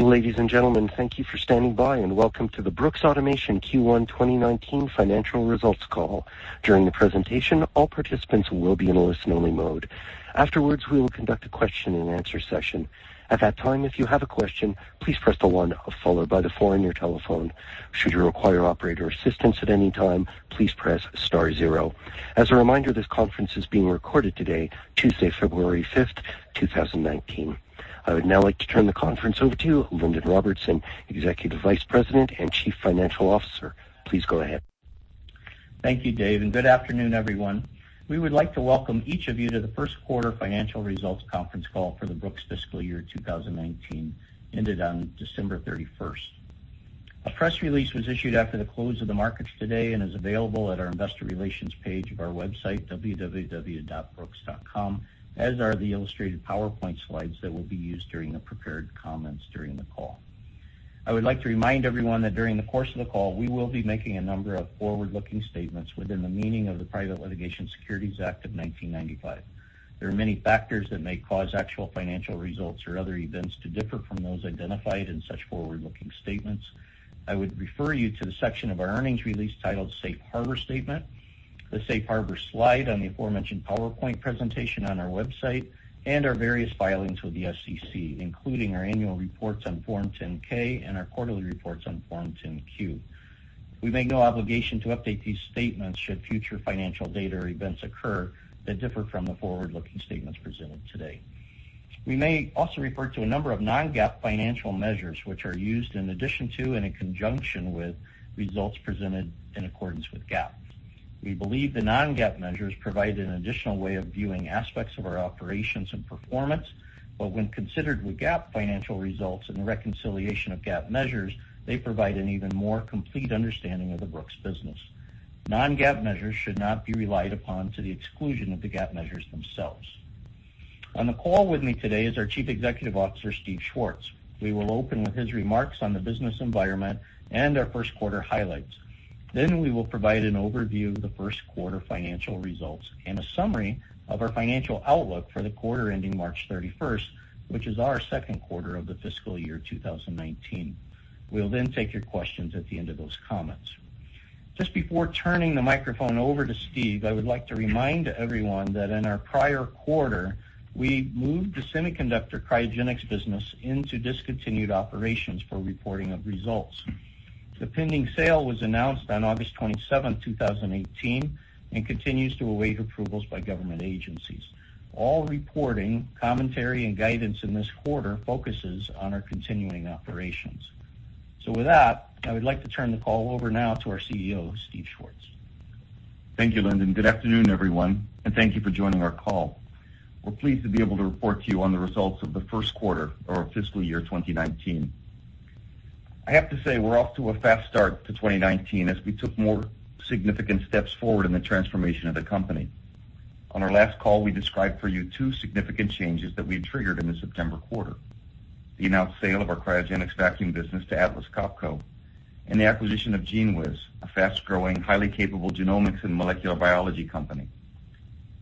Ladies and gentlemen, thank you for standing by, and welcome to the Brooks Automation Q1 2019 financial results call. During the presentation, all participants will be in listen-only mode. Afterwards, we will conduct a question-and-answer session. At that time, if you have a question, please press the one followed by the four on your telephone. Should you require operator assistance at any time, please press star zero. As a reminder, this conference is being recorded today, Tuesday, February 5th, 2019. I would now like to turn the conference over to Lindon Robertson, Executive Vice President and Chief Financial Officer. Please go ahead. Thank you, Dave, and good afternoon, everyone. We would like to welcome each of you to the first quarter financial results conference call for the Brooks fiscal year 2019, ended on December 31st. A press release was issued after the close of the markets today and is available at our Investor Relations page of our website, www.brooks.com, as are the illustrated PowerPoint slides that will be used during the prepared comments during the call. I would like to remind everyone that during the course of the call, we will be making a number of forward-looking statements within the meaning of the Private Securities Litigation Reform Act of 1995. There are many factors that may cause actual financial results or other events to differ from those identified in such forward-looking statements. I would refer you to the section of our earnings release titled Safe Harbor Statement, the Safe Harbor slide on the aforementioned PowerPoint presentation on our website, and our various filings with the SEC, including our annual reports on Form 10-K and our quarterly reports on Form 10-Q. We make no obligation to update these statements should future financial data or events occur that differ from the forward-looking statements presented today. We may also refer to a number of non-GAAP financial measures, which are used in addition to and in conjunction with results presented in accordance with GAAP. We believe the non-GAAP measures provide an additional way of viewing aspects of our operations and performance, but when considered with GAAP financial results and the reconciliation of GAAP measures, they provide an even more complete understanding of the Brooks business. Non-GAAP measures should not be relied upon to the exclusion of the GAAP measures themselves. On the call with me today is our Chief Executive Officer, Steve Schwartz. We will open with his remarks on the business environment and our first quarter highlights. Then we will provide an overview of the first quarter financial results and a summary of our financial outlook for the quarter ending March 31st, which is our second quarter of the fiscal year 2019. We will then take your questions at the end of those comments. Just before turning the microphone over to Steve, I would like to remind everyone that in our prior quarter, we moved the semiconductor cryogenics business into discontinued operations for reporting of results. The pending sale was announced on August 27th, 2018, and continues to await approvals by government agencies. All reporting, commentary, and guidance in this quarter focuses on our continuing operations. With that, I would like to turn the call over now to our CEO, Steve Schwartz. Thank you, Lindon. Good afternoon, everyone, and thank you for joining our call. We're pleased to be able to report to you on the results of the first quarter of our fiscal year 2019. I have to say we're off to a fast start to 2019 as we took more significant steps forward in the transformation of the company. On our last call, we described for you two significant changes that we had triggered in the September quarter, the announced sale of our cryogenics vacuum business to Atlas Copco, and the acquisition of GENEWIZ, a fast-growing, highly capable genomics and molecular biology company.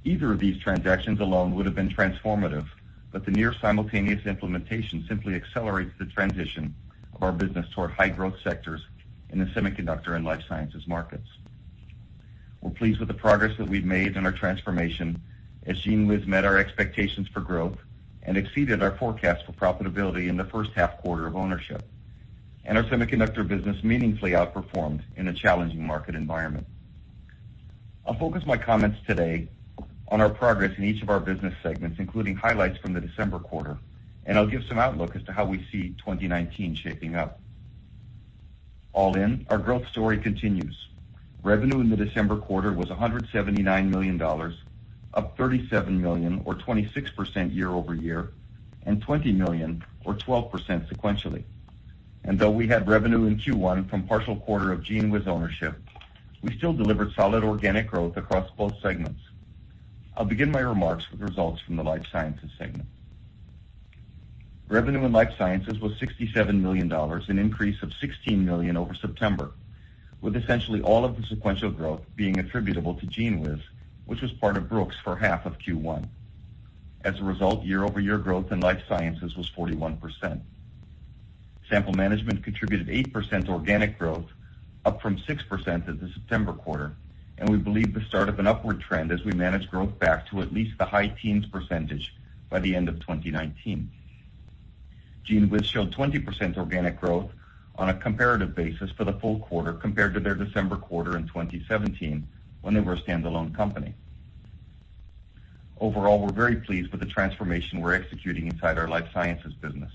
Either of these transactions alone would have been transformative, but the near-simultaneous implementation simply accelerates the transition of our business toward high-growth sectors in the semiconductor and life sciences markets. We're pleased with the progress that we've made in our transformation, as GENEWIZ met our expectations for growth and exceeded our forecast for profitability in the first half quarter of ownership, and our semiconductor business meaningfully outperformed in a challenging market environment. I'll focus my comments today on our progress in each of our business segments, including highlights from the December quarter, and I'll give some outlook as to how we see 2019 shaping up. All in, our growth story continues. Revenue in the December quarter was $179 million, up $37 million or 26% year-over-year, and $20 million or 12% sequentially. Though we had revenue in Q1 from partial quarter of GENEWIZ ownership, we still delivered solid organic growth across both segments. I'll begin my remarks with results from the life sciences segment. Revenue in life sciences was $67 million, an increase of $16 million over September, with essentially all of the sequential growth being attributable to GENEWIZ, which was part of Brooks for half of Q1. As a result, year-over-year growth in life sciences was 41%. Sample management contributed 8% organic growth, up from 6% in the September quarter, and we believe the start of an upward trend as we manage growth back to at least the high teens percentage by the end of 2019. GENEWIZ showed 20% organic growth on a comparative basis for the full quarter compared to their December quarter in 2017, when they were a standalone company. Overall, we're very pleased with the transformation we're executing inside our life sciences business.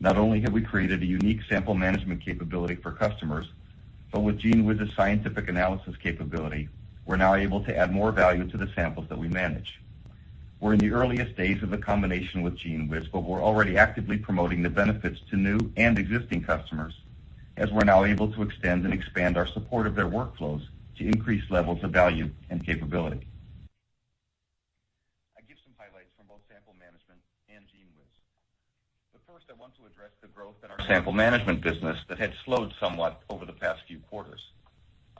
Not only have we created a unique sample management capability for customers, but with GENEWIZ's scientific analysis capability, we're now able to add more value to the samples that we manage. We're in the earliest days of the combination with GENEWIZ, but we're already actively promoting the benefits to new and existing customers, as we're now able to extend and expand our support of their workflows to increase levels of value and capability. I give some highlights from both sample management and GENEWIZ, but first, I want to address the growth in our sample management business that had slowed somewhat over the past few quarters.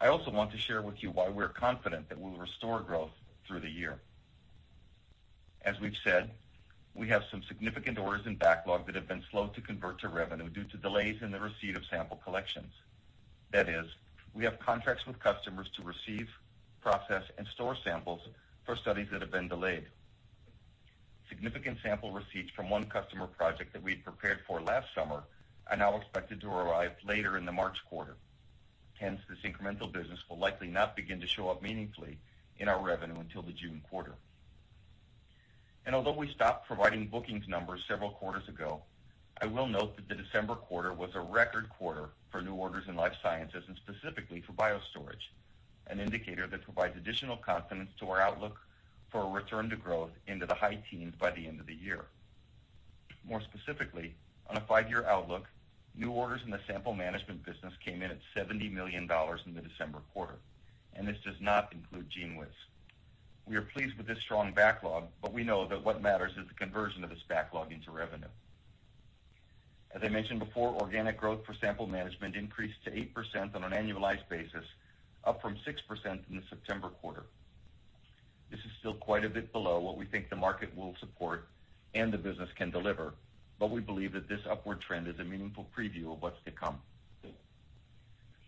I also want to share with you why we're confident that we'll restore growth through the year. As we've said, we have some significant orders in backlog that have been slow to convert to revenue due to delays in the receipt of sample collections. That is, we have contracts with customers to receive, process, and store samples for studies that have been delayed. Significant sample receipts from one customer project that we had prepared for last summer are now expected to arrive later in the March quarter. Hence, this incremental business will likely not begin to show up meaningfully in our revenue until the June quarter. Although we stopped providing bookings numbers several quarters ago, I will note that the December quarter was a record quarter for new orders in life sciences and specifically for BioStorage, an indicator that provides additional confidence to our outlook for a return to growth into the high teens by the end of the year. More specifically, on a five-year outlook, new orders in the sample management business came in at $70 million in the December quarter, and this does not include GENEWIZ. We are pleased with this strong backlog, but we know that what matters is the conversion of this backlog into revenue. As I mentioned before, organic growth for sample management increased to 8% on an annualized basis, up from 6% in the September quarter. This is still quite a bit below what we think the market will support and the business can deliver, but we believe that this upward trend is a meaningful preview of what's to come.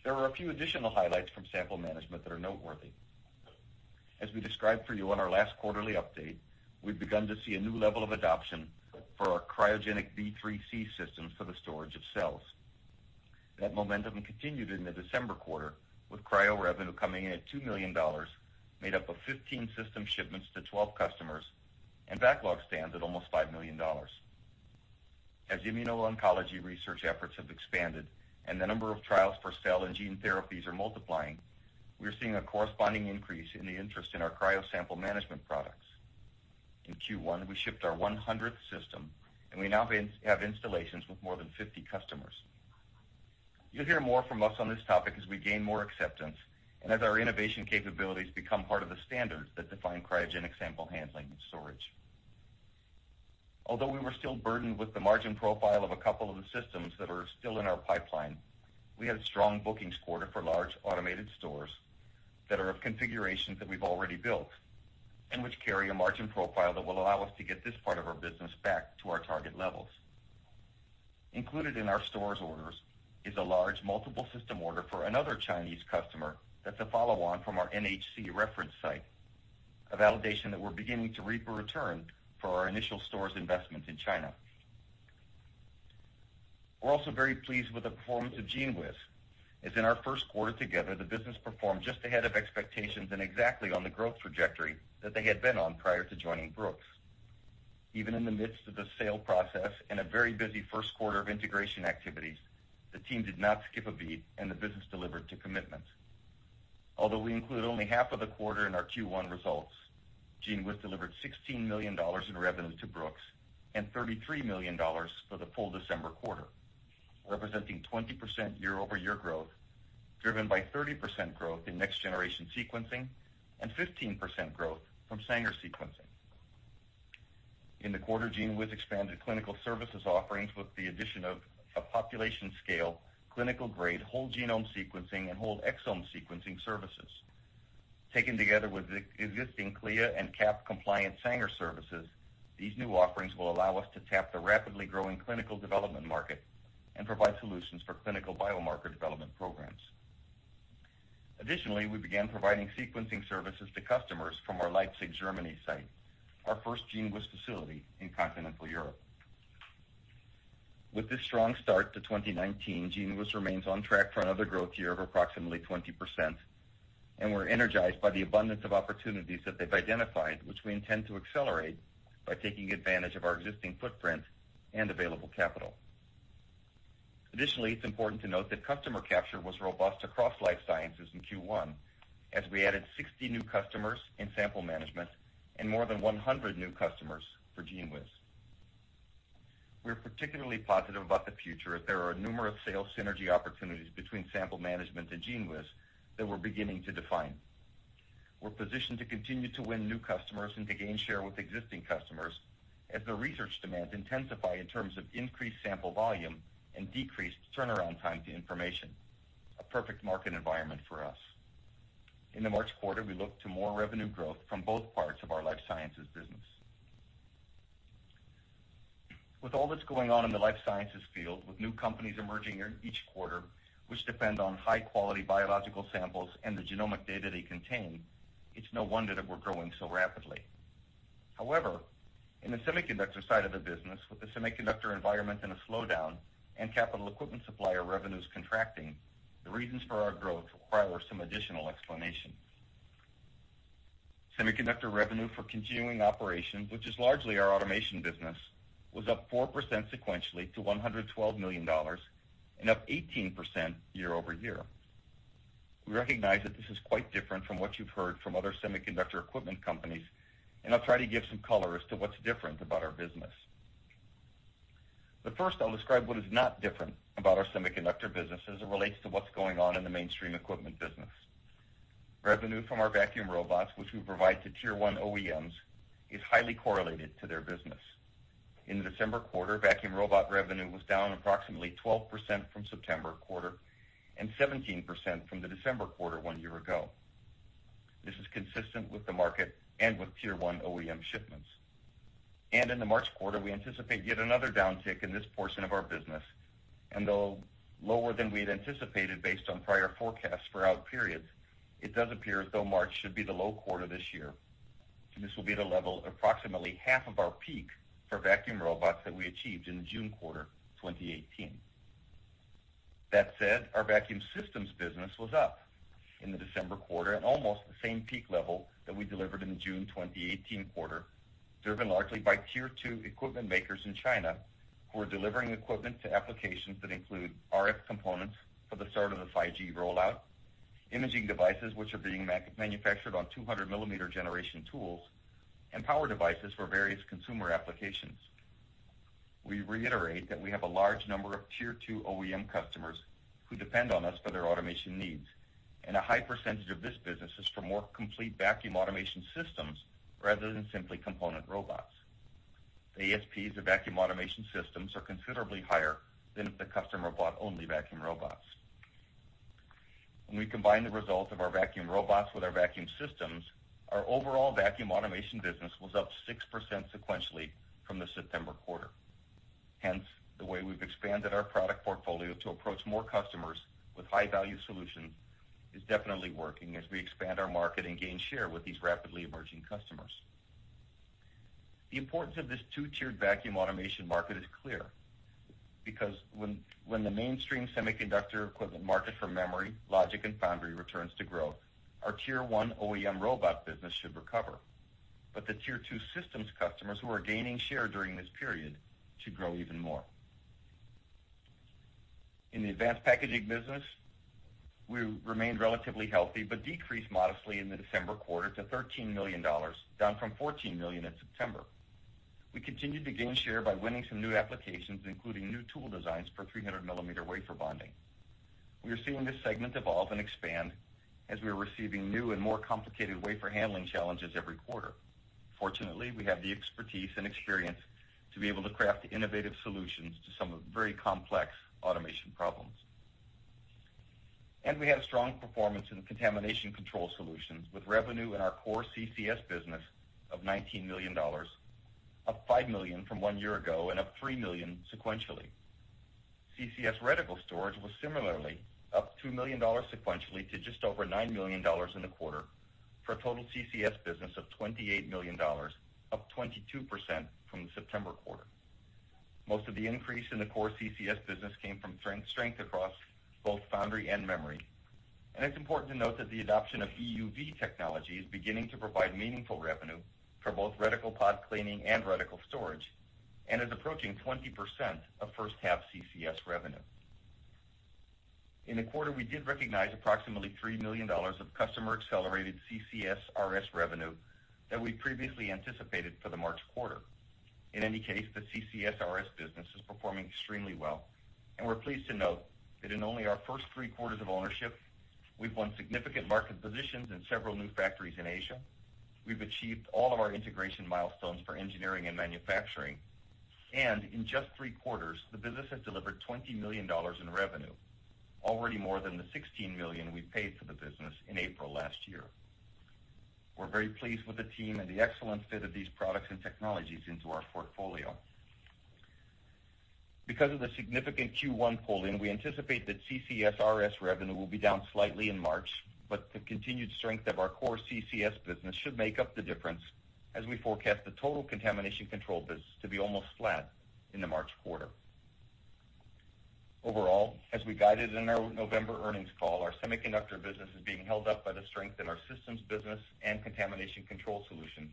There are a few additional highlights from sample management that are noteworthy. As we described for you on our last quarterly update, we've begun to see a new level of adoption for our cryogenic B3C systems for the storage of cells. That momentum continued in the December quarter, with cryo revenue coming in at $2 million, made up of 15 system shipments to 12 customers, and backlog stands at almost $5 million. As immuno-oncology research efforts have expanded and the number of trials for cell and gene therapies are multiplying, we're seeing a corresponding increase in the interest in our cryo sample management products. In Q1, we shipped our 100th system, and we now have installations with more than 50 customers. You'll hear more from us on this topic as we gain more acceptance and as our innovation capabilities become part of the standard that define cryogenic sample handling and storage. We were still burdened with the margin profile of a couple of the systems that are still in our pipeline, we had a strong bookings quarter for large, automated stores that are of configurations that we've already built and which carry a margin profile that will allow us to get this part of our business back to our target levels. Included in our BioStore orders is a large multiple system order for another Chinese customer that's a follow-on from our NHC reference site, a validation that we're beginning to reap a return for our initial BioStore investment in China. We're also very pleased with the performance of GENEWIZ, as in our first quarter together, the business performed just ahead of expectations and exactly on the growth trajectory that they had been on prior to joining Brooks. Even in the midst of the sale process and a very busy first quarter of integration activities, the team did not skip a beat, and the business delivered to commitments. Although we include only half of the quarter in our Q1 results, GENEWIZ delivered $16 million in revenue to Brooks and $33 million for the full December quarter, representing 20% year-over-year growth, driven by 30% growth in next-generation sequencing and 15% growth from Sanger sequencing. In the quarter, GENEWIZ expanded clinical services offerings with the addition of a population-scale, clinical-grade, whole genome sequencing and whole exome sequencing services. Taken together with existing CLIA and CAP compliant Sanger services, these new offerings will allow us to tap the rapidly growing clinical development market and provide solutions for clinical biomarker development programs. Additionally, we began providing sequencing services to customers from our Leipzig, Germany site, our first GENEWIZ facility in continental Europe. With this strong start to 2019, GENEWIZ remains on track for another growth year of approximately 20%, and we're energized by the abundance of opportunities that they've identified, which we intend to accelerate by taking advantage of our existing footprint and available capital. Additionally, it's important to note that customer capture was robust across life sciences in Q1, as we added 60 new customers in sample management and more than 100 new customers for GENEWIZ. We are particularly positive about the future, as there are numerous sales synergy opportunities between sample management and GENEWIZ that we're beginning to define. We're positioned to continue to win new customers and to gain share with existing customers as the research demands intensify in terms of increased sample volume and decreased turnaround time to information, a perfect market environment for us. In the March quarter, we look to more revenue growth from both parts of our life sciences business. With all that's going on in the life sciences field, with new companies emerging in each quarter, which depend on high-quality biological samples and the genomic data they contain, it's no wonder that we're growing so rapidly. However, in the semiconductor side of the business, with the semiconductor environment in a slowdown and capital equipment supplier revenues contracting, the reasons for our growth require some additional explanation. Semiconductor revenue for continuing operations, which is largely our automation business, was up 4% sequentially to $112 million and up 18% year-over-year. We recognize that this is quite different from what you've heard from other semiconductor equipment companies, and I'll try to give some color as to what's different about our business. I'll describe what is not different about our semiconductor business as it relates to what's going on in the mainstream equipment business. Revenue from our vacuum robots, which we provide to Tier 1 OEMs, is highly correlated to their business. In the December quarter, vacuum robot revenue was down approximately 12% from September quarter and 17% from the December quarter one year ago. This is consistent with the market and with Tier 1 OEM shipments. In the March quarter, we anticipate yet another downtick in this portion of our business, though lower than we'd anticipated based on prior forecasts for out periods, it does appear as though March should be the low quarter this year. This will be at a level approximately half of our peak for vacuum robots that we achieved in the June quarter of 2018. That said, our vacuum systems business was up in the December quarter at almost the same peak level that we delivered in the June 2018 quarter, driven largely by Tier 2 equipment makers in China, who are delivering equipment to applications that include RF components for the start of the 5G rollout, imaging devices, which are being manufactured on 200 mm generation tools, and power devices for various consumer applications. We reiterate that we have a large number of Tier 2 OEM customers who depend on us for their automation needs, a high percentage of this business is for more complete vacuum automation systems rather than simply component robots. The ASPs of vacuum automation systems are considerably higher than if the customer bought only vacuum robots. When we combine the results of our vacuum robots with our vacuum systems, our overall vacuum automation business was up 6% sequentially from the September quarter. Hence, the way we've expanded our product portfolio to approach more customers with high-value solutions is definitely working as we expand our market and gain share with these rapidly emerging customers. The importance of this two-tiered vacuum automation market is clear, because when the mainstream semiconductor equipment market for memory, logic, and foundry returns to growth, our Tier 1 OEM robot business should recover. The Tier 2 systems customers who are gaining share during this period should grow even more. In the advanced packaging business, we remained relatively healthy but decreased modestly in the December quarter to $13 million, down from $14 million in September. We continued to gain share by winning some new applications, including new tool designs for 300-millimeter wafer bonding. We are seeing this segment evolve and expand as we are receiving new and more complicated wafer handling challenges every quarter. Fortunately, we have the expertise and experience to be able to craft innovative solutions to some very complex automation problems. We had strong performance in contamination control solutions, with revenue in our core CCS business of $19 million, up $5 million from one year ago and up $3 million sequentially. CCS reticle storage was similarly up $2 million sequentially to just over $9 million in the quarter, for a total CCS business of $28 million, up 22% from the September quarter. Most of the increase in the core CCS business came from strength across both foundry and memory. It's important to note that the adoption of EUV technology is beginning to provide meaningful revenue for both reticle pod cleaning and reticle storage, and is approaching 20% of first half CCS revenue. In the quarter, we did recognize approximately $3 million of customer accelerated CCS/RS revenue that we previously anticipated for the March quarter. In any case, the CCS/RS business is performing extremely well, and we're pleased to note that in only our first three quarters of ownership, we've won significant market positions in several new factories in Asia. We've achieved all of our integration milestones for engineering and manufacturing. In just three quarters, the business has delivered $20 million in revenue, already more than the $16 million we paid for the business in April last year. We're very pleased with the team and the excellent fit of these products and technologies into our portfolio. Because of the significant Q1 pull-in, we anticipate that CCS/RS revenue will be down slightly in March, but the continued strength of our core CCS business should make up the difference as we forecast the total contamination control business to be almost flat in the March quarter. Overall, as we guided in our November earnings call, our semiconductor business is being held up by the strength in our systems business and contamination control solutions.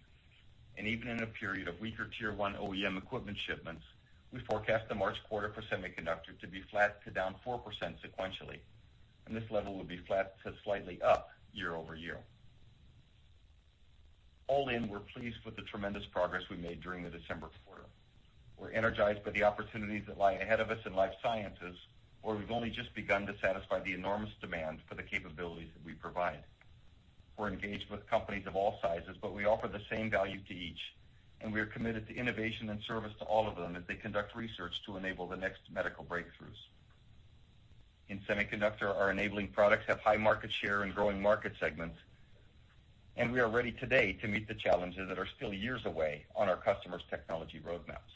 Even in a period of weaker Tier 1 OEM equipment shipments, we forecast the March quarter for semiconductor to be flat to down 4% sequentially, and this level will be flat to slightly up year-over-year. All in, we're pleased with the tremendous progress we made during the December quarter. We're energized by the opportunities that lie ahead of us in life sciences, where we've only just begun to satisfy the enormous demand for the capabilities that we provide. We're engaged with companies of all sizes, but we offer the same value to each, and we are committed to innovation and service to all of them as they conduct research to enable the next medical breakthroughs. In semiconductor, our enabling products have high market share and growing market segments, and we are ready today to meet the challenges that are still years away on our customers' technology roadmaps.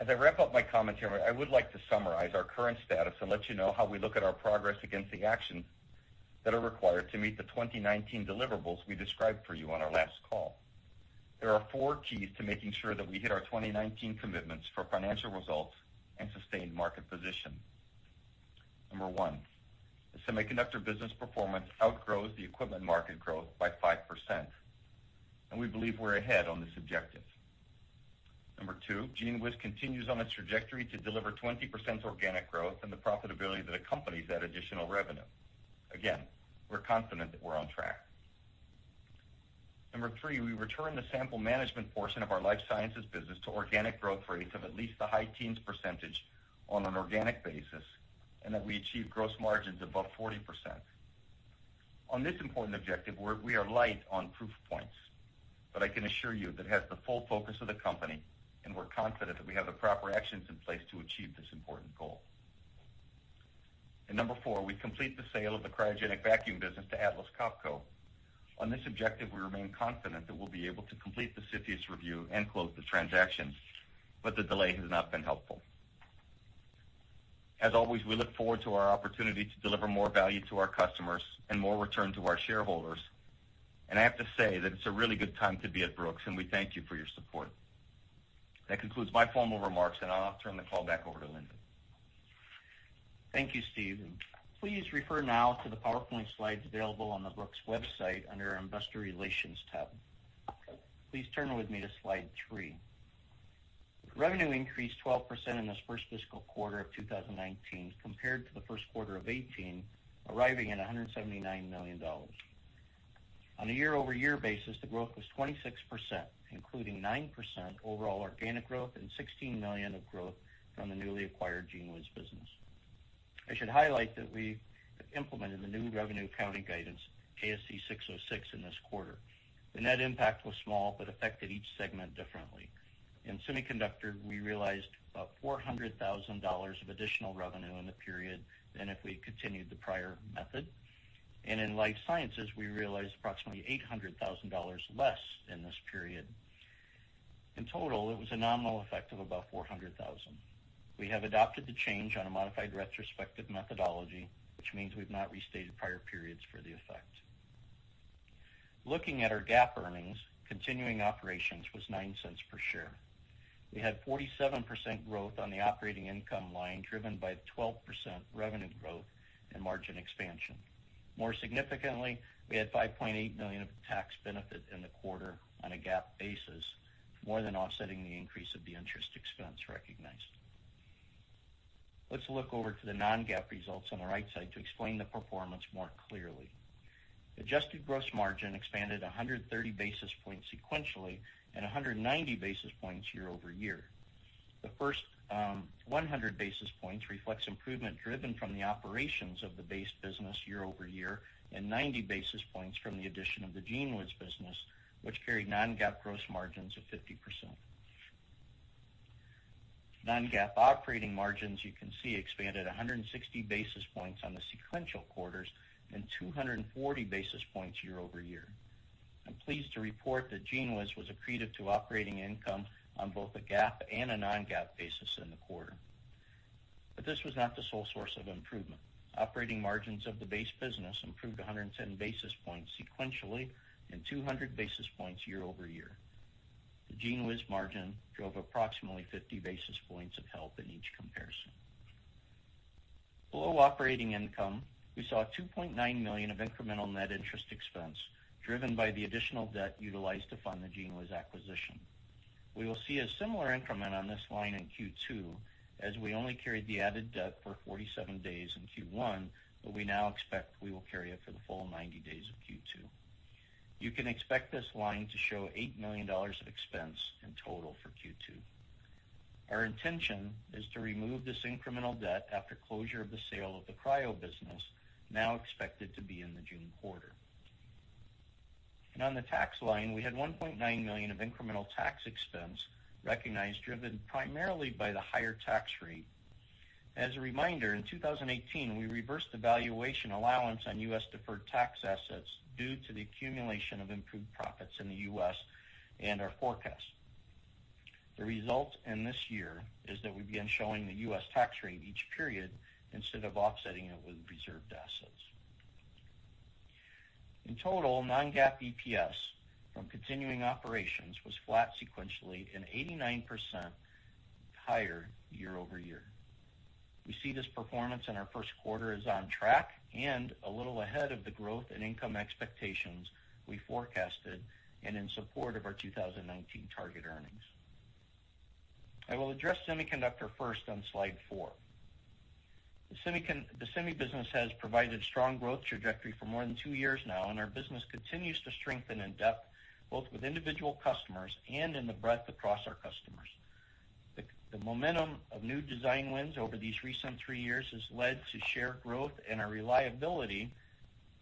As I wrap up my comments here, I would like to summarize our current status and let you know how we look at our progress against the actions that are required to meet the 2019 deliverables we described for you on our last call. There are four keys to making sure that we hit our 2019 commitments for financial results and sustained market position. Number one, the semiconductor business performance outgrows the equipment market growth by 5%, and we believe we're ahead on this objective. Number two, GENEWIZ continues on its trajectory to deliver 20% organic growth and the profitability that accompanies that additional revenue. Again, we're confident that we're on track. Number three, we return the sample management portion of our life sciences business to organic growth rates of at least the high teens percentage on an organic basis, and that we achieve gross margins above 40%. On this important objective, we are light on proof points, but I can assure you that it has the full focus of the company, and we're confident that we have the proper actions in place to achieve this important goal. Number four, we complete the sale of the cryogenic vacuum business to Atlas Copco. On this objective, we remain confident that we'll be able to complete the CFIUS review and close the transaction, the delay has not been helpful. As always, we look forward to our opportunity to deliver more value to our customers and more return to our shareholders, I have to say that it's a really good time to be at Brooks, and we thank you for your support. That concludes my formal remarks, I'll now turn the call back over to Lindon. Thank you, Steve. Please refer now to the PowerPoint slides available on the Brooks website under our Investor Relations tab. Please turn with me to slide three. Revenue increased 12% in this first fiscal quarter of 2019 compared to the first quarter of 2018, arriving at $179 million. On a year-over-year basis, the growth was 26%, including 9% overall organic growth and $16 million of growth from the newly acquired GENEWIZ business. I should highlight that we have implemented the new revenue accounting guidance, ASC 606, in this quarter. The net impact was small, affected each segment differently. In semiconductor, we realized about $400,000 of additional revenue in the period than if we'd continued the prior method, in life sciences, we realized approximately $800,000 less in this period. In total, it was a nominal effect of about $400,000. We have adopted the change on a modified retrospective methodology, which means we've not restated prior periods for the effect. Looking at our GAAP earnings, continuing operations was $0.09 per share. We had 47% growth on the operating income line, driven by the 12% revenue growth and margin expansion. More significantly, we had $5.8 million of tax benefit in the quarter on a GAAP basis, more than offsetting the increase of the interest expense recognized. Let's look over to the non-GAAP results on the right side to explain the performance more clearly. Adjusted gross margin expanded 130 basis points sequentially and 190 basis points year-over-year. The first 100 basis points reflects improvement driven from the operations of the base business year-over-year, and 90 basis points from the addition of the GENEWIZ business, which carried non-GAAP gross margins of 50%. Non-GAAP operating margins, you can see, expanded 160 basis points on the sequential quarters and 240 basis points year-over-year. I'm pleased to report that GENEWIZ was accretive to operating income on both a GAAP and a non-GAAP basis in the quarter. This was not the sole source of improvement. Operating margins of the base business improved 110 basis points sequentially and 200 basis points year-over-year. The GENEWIZ margin drove approximately 50 basis points of help in each comparison. Below operating income, we saw $2.9 million of incremental net interest expense, driven by the additional debt utilized to fund the GENEWIZ acquisition. We will see a similar increment on this line in Q2, as we only carried the added debt for 47 days in Q1, we now expect we will carry it for the full 90 days of Q2. You can expect this line to show $8 million of expense in total for Q2. Our intention is to remove this incremental debt after closure of the sale of the cryo business, now expected to be in the June quarter. On the tax line, we had $1.9 million of incremental tax expense recognized, driven primarily by the higher tax rate. As a reminder, in 2018, we reversed the valuation allowance on U.S. deferred tax assets due to the accumulation of improved profits in the U.S. and our forecast. The result in this year is that we begin showing the U.S. tax rate each period instead of offsetting it with reserved assets. In total, non-GAAP EPS from continuing operations was flat sequentially and 89% higher year-over-year. We see this performance in our first quarter as on track and a little ahead of the growth and income expectations we forecasted and in support of our 2019 target earnings. I will address semiconductor first on slide four. The semi business has provided strong growth trajectory for more than two years now, and our business continues to strengthen in depth, both with individual customers and in the breadth across our customers. The momentum of new design wins over these recent three years has led to shared growth, and our reliability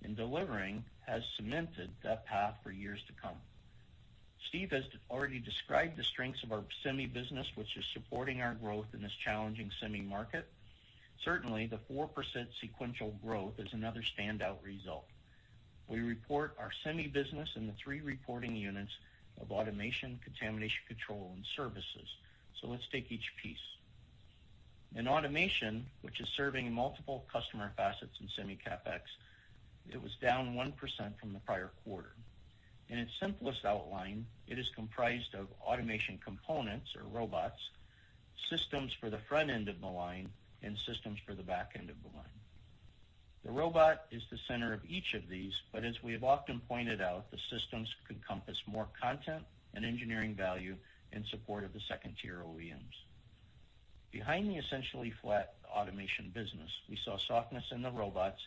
in delivering has cemented that path for years to come. Steve has already described the strengths of our semi business, which is supporting our growth in this challenging semi market. Certainly, the 4% sequential growth is another standout result. We report our semi business in the three reporting units of automation, contamination control, and services. Let's take each piece. In automation, which is serving multiple customer facets in semi CapEx, it was down 1% from the prior quarter. In its simplest outline, it is comprised of automation components or robots, systems for the front end of the line, and systems for the back end of the line. The robot is the center of each of these, but as we have often pointed out, the systems could encompass more content and engineering value in support of the second-tier OEMs. Behind the essentially flat automation business, we saw softness in the robots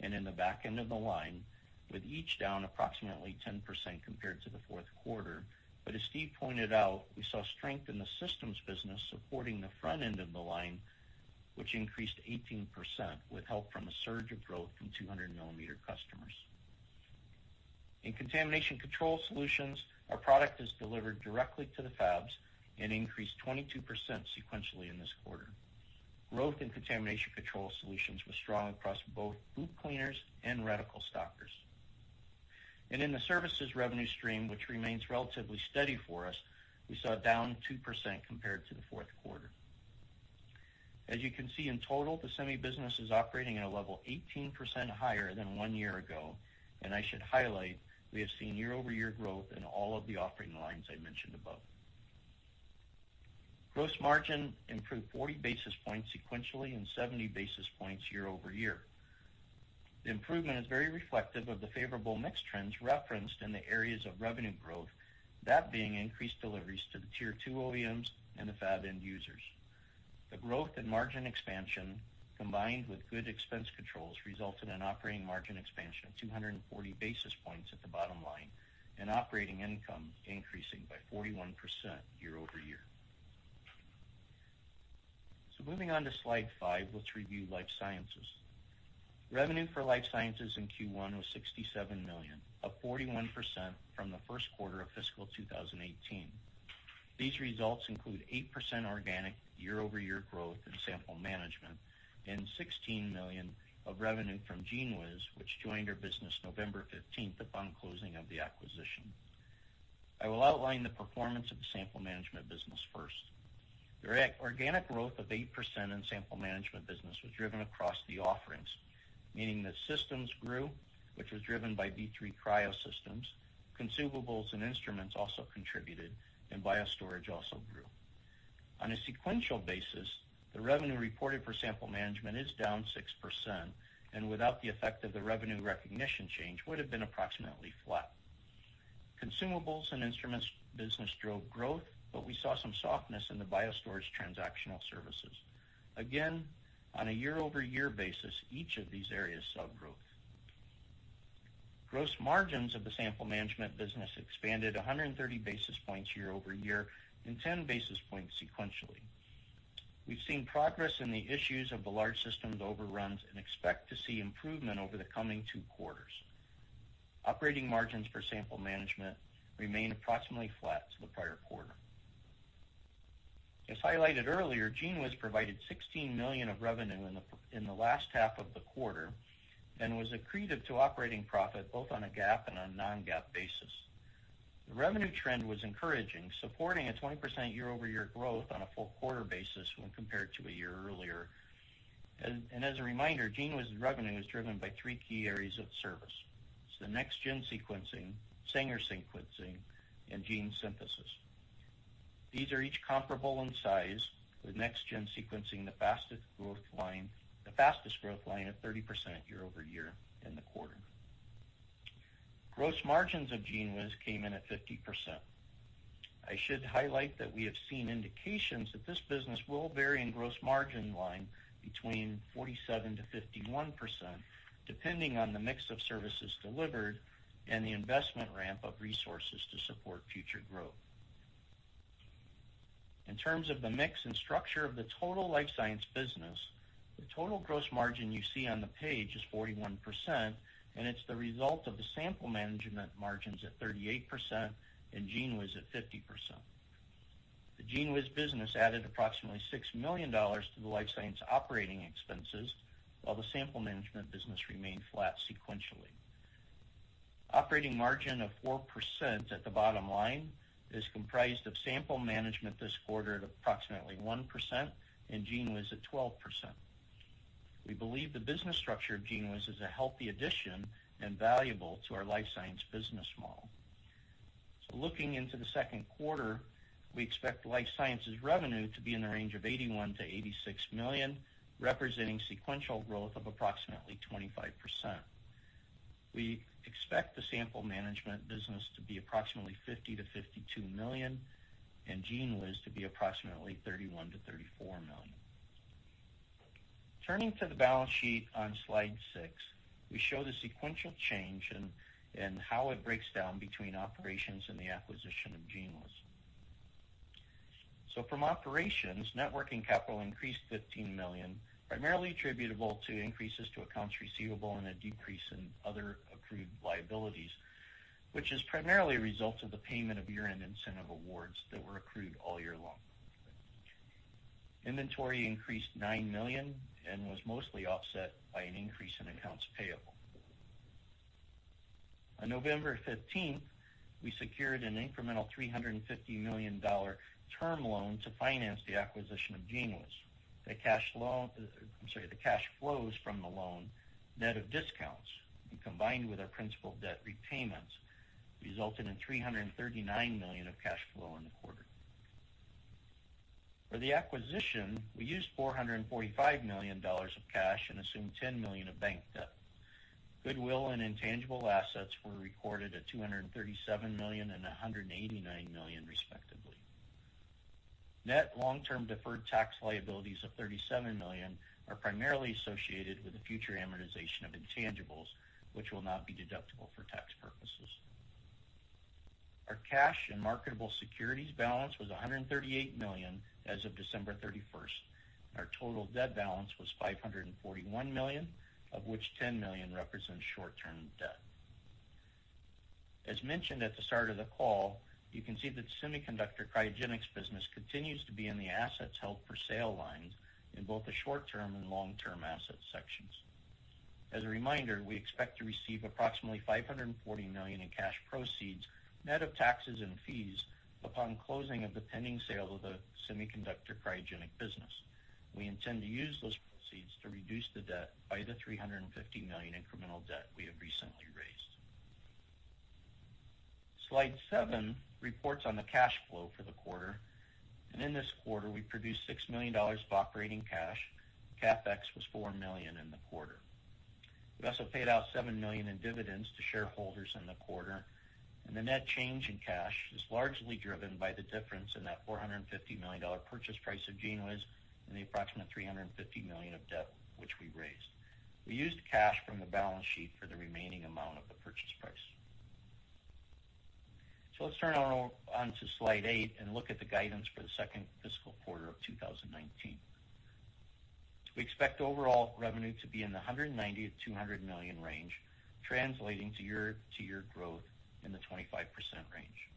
and in the back end of the line, with each down approximately 10% compared to the fourth quarter. As Steve pointed out, we saw strength in the systems business supporting the front end of the line, which increased 18% with help from a surge of growth from 200 mm customers. In contamination control solutions, our product is delivered directly to the fabs and increased 22% sequentially in this quarter. Growth in contamination control solutions was strong across both boot cleaners and reticle stockers. In the services revenue stream, which remains relatively steady for us, we saw it down 2% compared to the fourth quarter. As you can see, in total, the semi business is operating at a level 18% higher than one year ago, and I should highlight, we have seen year-over-year growth in all of the offering lines I mentioned above. Gross margin improved 40 basis points sequentially and 70 basis points year-over-year. The improvement is very reflective of the favorable mix trends referenced in the areas of revenue growth, that being increased deliveries to the Tier 2 OEMs and the fab end users. The growth and margin expansion, combined with good expense controls, resulted in operating margin expansion of 240 basis points at the bottom line and operating income increasing by 41% year-over-year. Moving on to slide five, let's review life sciences. Revenue for life sciences in Q1 was $67 million, up 41% from the first quarter of fiscal 2018. These results include 8% organic year-over-year growth in sample management and $16 million of revenue from GENEWIZ, which joined our business November 15th upon closing of the acquisition. I will outline the performance of the sample management business first. The organic growth of 8% in sample management business was driven across the offerings, meaning the systems grew, which was driven by BioStore III Cryo systems. Consumables and instruments also contributed, and BioStorage also grew. On a sequential basis, the revenue reported for sample management is down 6%, and without the effect of the revenue recognition change, would've been approximately flat. Consumables and instruments business drove growth, but we saw some softness in the BioStorage transactional services. Again, on a year-over-year basis, each of these areas saw growth. Gross margins of the sample management business expanded 130 basis points year-over-year and 10 basis points sequentially. We've seen progress in the issues of the large systems overruns and expect to see improvement over the coming two quarters. Operating margins for sample management remain approximately flat to the prior quarter. As highlighted earlier, GENEWIZ provided $16 million of revenue in the last half of the quarter and was accretive to operating profit both on a GAAP and a non-GAAP basis. The revenue trend was encouraging, supporting a 20% year-over-year growth on a full quarter basis when compared to a year earlier. As a reminder, GENEWIZ revenue is driven by three key areas of service. The next-gen sequencing, Sanger sequencing, and gene synthesis. These are each comparable in size, with next-gen sequencing the fastest growth line at 30% year-over-year in the quarter. Gross margins of GENEWIZ came in at 50%. I should highlight that we have seen indications that this business will vary in gross margin line between 47%-51%, depending on the mix of services delivered and the investment ramp of resources to support future growth. In terms of the mix and structure of the total life science business, the total gross margin you see on the page is 41%, and it's the result of the sample management margins at 38% and GENEWIZ at 50%. The GENEWIZ business added approximately $6 million to the life science operating expenses while the sample management business remained flat sequentially. Operating margin of 4% at the bottom line is comprised of sample management this quarter at approximately 1% and GENEWIZ at 12%. We believe the business structure of GENEWIZ is a healthy addition and valuable to our life science business model. Looking into the second quarter, we expect life sciences revenue to be in the range of $81 million-$86 million, representing sequential growth of approximately 25%. We expect the sample management business to be approximately $50 million-$52 million, and GENEWIZ to be approximately $31 million-$34 million. Turning to the balance sheet on slide six, we show the sequential change and how it breaks down between operations and the acquisition of GENEWIZ. From operations, net working capital increased $15 million, primarily attributable to increases to accounts receivable and a decrease in other accrued liabilities, which is primarily a result of the payment of year-end incentive awards that were accrued all year long. Inventory increased $9 million and was mostly offset by an increase in accounts payable. On November 15th, we secured an incremental $350 million term loan to finance the acquisition of GENEWIZ. The cash flows from the loan, net of discounts, and combined with our principal debt repayments, resulted in $339 million of cash flow in the quarter. For the acquisition, we used $445 million of cash and assumed $10 million of bank debt. Goodwill and intangible assets were recorded at $237 million and $189 million respectively. Net long-term deferred tax liabilities of $37 million are primarily associated with the future amortization of intangibles, which will not be deductible for tax purposes. Our cash and marketable securities balance was $138 million as of December 31st. Our total debt balance was $541 million, of which $10 million represents short-term debt. As mentioned at the start of the call, you can see that semiconductor cryogenics business continues to be in the assets held for sale lines in both the short-term and long-term asset sections. As a reminder, we expect to receive approximately $540 million in cash proceeds, net of taxes and fees, upon closing of the pending sale of the semiconductor cryogenic business. We intend to use those proceeds to reduce the debt by the $350 million incremental debt we have recently raised. Slide seven reports on the cash flow for the quarter. In this quarter, we produced $6 million of operating cash. CapEx was $4 million in the quarter. We also paid out $7 million in dividends to shareholders in the quarter, and the net change in cash is largely driven by the difference in that $450 million purchase price of GENEWIZ and the approximate $350 million of debt which we raised. We used cash from the balance sheet for the remaining amount of the purchase price. Let's turn now onto slide eight and look at the guidance for the second fiscal quarter of 2019. We expect overall revenue to be in the $190 million-$200 million range, translating to year-to-year growth in the 25% range.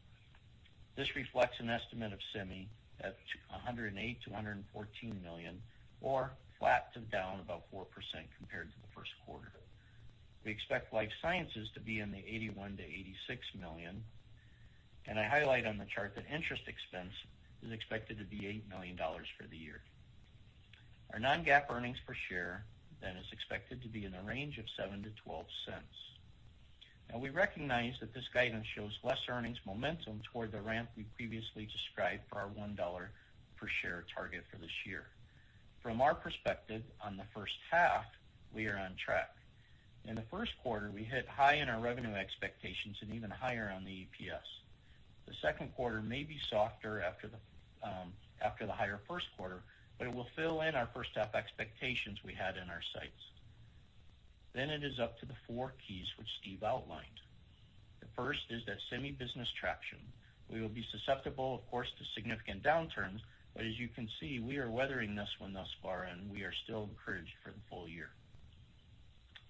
This reflects an estimate of semi at $108 million-$114 million, or flat to down about 4% compared to the first quarter. We expect life sciences to be in the $81 million-$86 million, and I highlight on the chart that interest expense is expected to be $8 million for the year. Our non-GAAP earnings per share, then, is expected to be in the range of $0.07-$0.12. We recognize that this guidance shows less earnings momentum toward the ramp we previously described for our $1 per share target for this year. From our perspective on the first half, we are on track. In the first quarter, we hit high in our revenue expectations and even higher on the EPS. The second quarter may be softer after the higher first quarter, but it will fill in our first half expectations we had in our sights. It is up to the four keys which Steve outlined. The first is that semi business traction. We will be susceptible, of course, to significant downturns, but as you can see, we are weathering this one thus far, and we are still encouraged for the full year.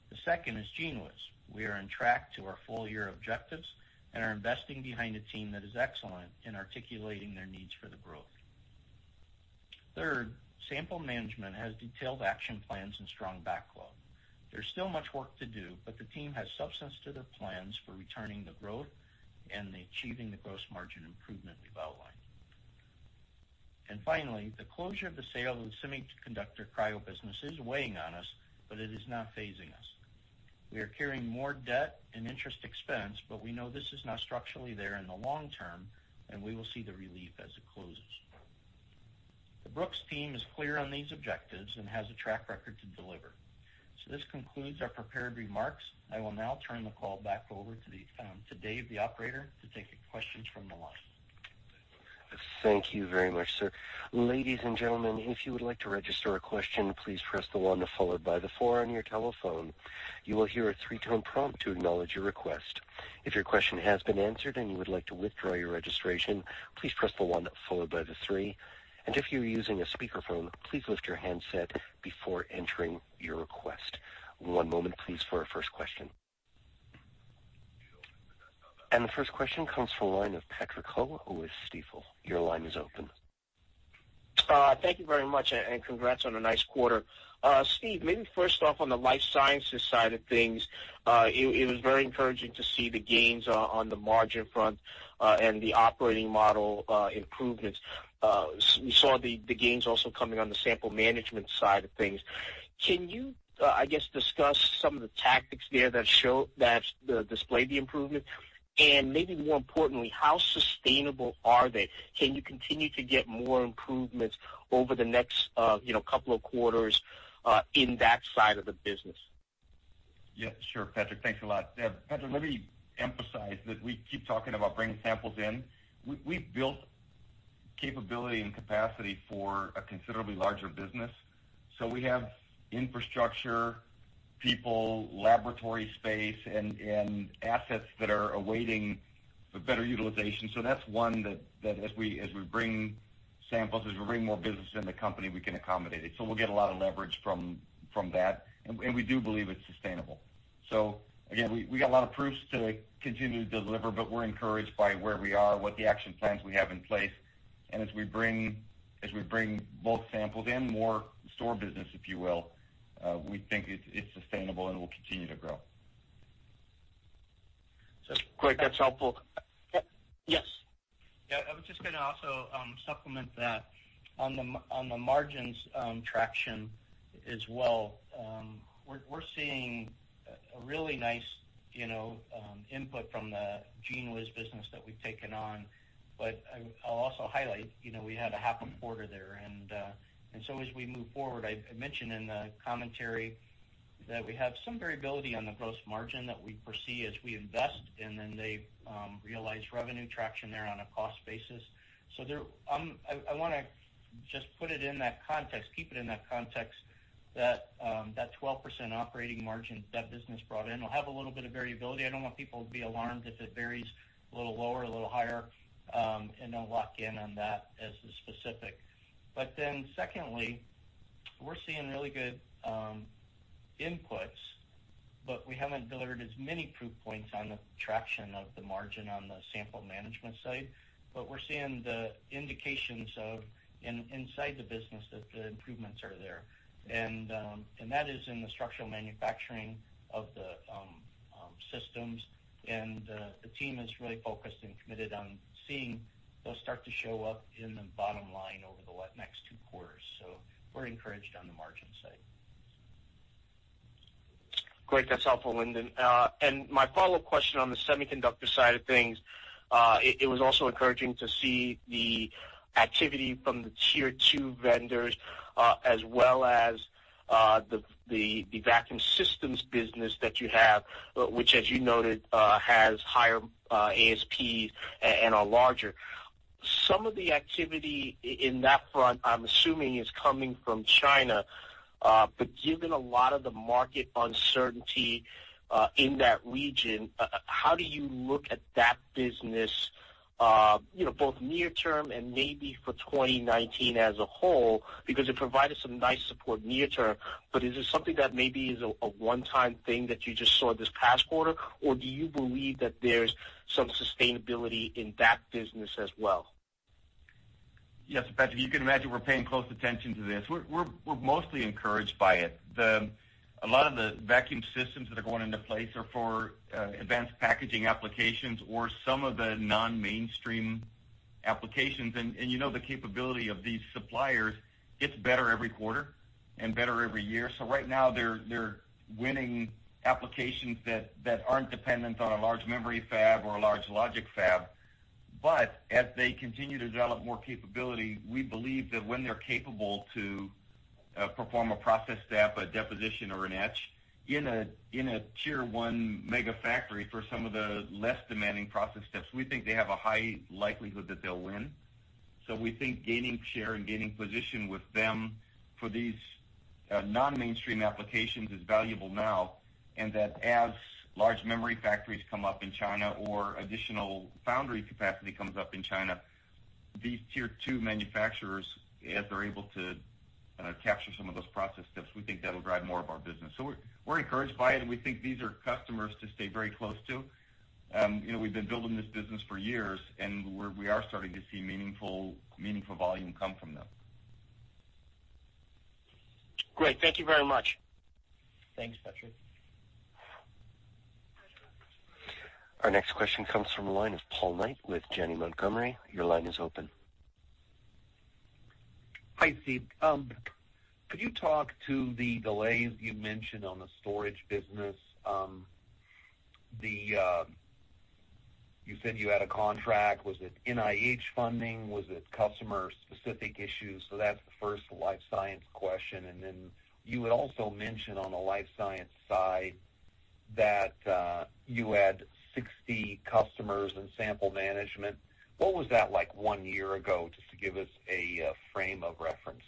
The second is GENEWIZ. We are on track to our full-year objectives and are investing behind a team that is excellent in articulating their needs for the growth. Third, sample management has detailed action plans and strong backlog. There's still much work to do, but the team has substance to their plans for returning the growth and achieving the gross margin improvement we've outlined. Finally, the closure of the sale of the semiconductor cryo business is weighing on us, but it is not phasing us. We are carrying more debt and interest expense, but we know this is not structurally there in the long term, and we will see the relief as it closes. The Brooks team is clear on these objectives and has a track record to deliver. This concludes our prepared remarks. I will now turn the call back over to Dave, the operator, to take questions from the line. Thank you very much, sir. Ladies and gentlemen, if you would like to register a question, please press the one followed by the four on your telephone. You will hear a three-tone prompt to acknowledge your request. If your question has been answered and you would like to withdraw your registration, please press the one followed by the three. If you are using a speakerphone, please lift your handset before entering your request. One moment, please, for our first question. The first question comes from the line of Patrick Ho with Stifel. Your line is open. Thank you very much, and congrats on a nice quarter. Steve, maybe first off on the life sciences side of things, it was very encouraging to see the gains on the margin front and the operating model improvements. We saw the gains also coming on the sample management side of things. Can you, I guess, discuss some of the tactics there that display the improvement? Maybe more importantly, how sustainable are they? Can you continue to get more improvements over the next couple of quarters in that side of the business? Sure, Patrick. Thanks a lot, Patrick. Let me emphasize that we keep talking about bringing samples in. We've built capability and capacity for a considerably larger business. We have infrastructure, people, laboratory space, and assets that are awaiting the better utilization. That's one that as we bring samples, as we bring more business in the company, we can accommodate it. We'll get a lot of leverage from that, and we do believe it's sustainable. Again, we got a lot of proofs to continue to deliver, but we're encouraged by where we are, what the action plans we have in place, and as we bring both samples in more store business, if you will, we think it's sustainable and will continue to grow. Great. That's helpful. Yes. I was just going to also supplement that on the margins traction as well. We're seeing a really nice input from the GENEWIZ business that we've taken on. I'll also highlight, we had a half a quarter there, as we move forward, I mentioned in the commentary that we have some variability on the gross margin that we foresee as we invest, and then they realize revenue traction there on a cost basis. I want to just put it in that context, keep it in that context. That 12% operating margin that business brought in will have a little bit of variability. I don't want people to be alarmed if it varies a little lower or a little higher, and then lock in on that as the specific. Secondly, we're seeing really good inputs, but we haven't delivered as many proof points on the traction of the margin on the sample management side. We're seeing the indications of inside the business that the improvements are there, and that is in the structural manufacturing of the systems, and the team is really focused and committed on seeing those start to show up in the bottom line over the next two quarters. We're encouraged on the margin side. Great. That's helpful, Lindon. My follow-up question on the semiconductor side of things, it was also encouraging to see the activity from the Tier 2 vendors, as well as the vacuum systems business that you have, which as you noted, has higher ASPs and are larger. Some of the activity in that front, I'm assuming, is coming from China. Given a lot of the market uncertainty in that region, how do you look at that business both near term and maybe for 2019 as a whole? It provided some nice support near term, but is this something that maybe is a one-time thing that you just saw this past quarter, or do you believe that there's some sustainability in that business as well? Yes, Patrick, you can imagine we're paying close attention to this. We're mostly encouraged by it. A lot of the vacuum systems that are going into place are for advanced packaging applications or some of the non-mainstream applications. You know the capability of these suppliers gets better every quarter and better every year. Right now, they're winning applications that aren't dependent on a large memory fab or a large logic fab. As they continue to develop more capability, we believe that when they're capable to perform a process step, a deposition, or an etch in a Tier 1 mega factory for some of the less demanding process steps, we think they have a high likelihood that they'll win. We think gaining share and gaining position with them for these non-mainstream applications is valuable now, and that as large memory factories come up in China or additional foundry capacity comes up in China, these Tier 2 manufacturers, as they're able to capture some of those process steps, we think that'll drive more of our business. We're encouraged by it, and we think these are customers to stay very close to. We've been building this business for years, and we are starting to see meaningful volume come from them. Great. Thank you very much. Thanks, Patrick. Our next question comes from the line of Paul Knight with Janney Montgomery. Your line is open. Hi, Steve. Could you talk to the delays you mentioned on the storage business? You said you had a contract. Was it NIH funding? Was it customer-specific issues? That's the first life science question, and then you had also mentioned on the life science side that you had 60 customers in sample management. What was that like one year ago, just to give us a frame of reference?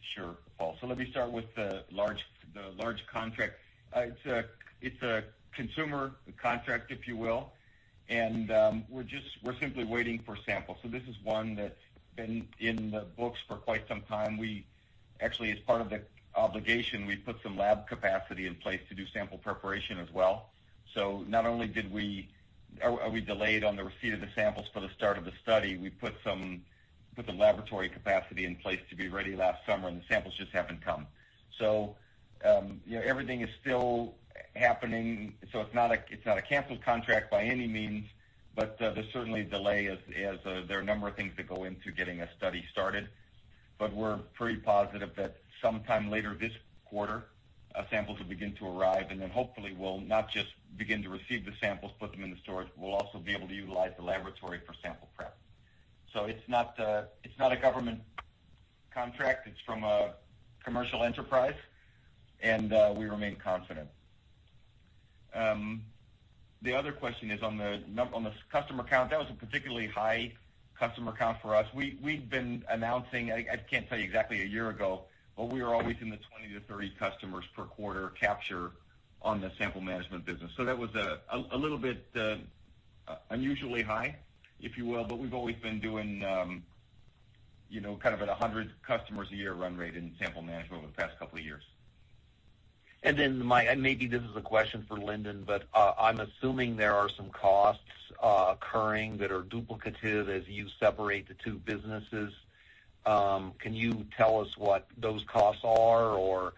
Sure, Paul. Let me start with the large contract. It's a consumer contract, if you will, and we're simply waiting for samples. This is one that's been in the books for quite some time. Actually, as part of the obligation, we put some lab capacity in place to do sample preparation as well. Not only are we delayed on the receipt of the samples for the start of the study, we put some laboratory capacity in place to be ready last summer, and the samples just haven't come. Everything is still happening. It's not a canceled contract by any means, but there's certainly a delay as there are a number of things that go into getting a study started. We're pretty positive that sometime later this quarter, samples will begin to arrive, and then hopefully we'll not just begin to receive the samples, put them into storage, but we'll also be able to utilize the laboratory for sample prep. It's not a government contract. It's from a commercial enterprise, and we remain confident. The other question is on the customer count. That was a particularly high customer count for us. We've been announcing, I can't tell you exactly a year ago, but we were always in the 20 to 30 customers per quarter capture on the sample management business. That was a little bit unusually high, if you will. We've always been doing kind of at 100 customers a year run rate in sample management over the past couple of years. Maybe this is a question for Lindon, I'm assuming there are some costs occurring that are duplicative as you separate the two businesses. Can you tell us what those costs are, or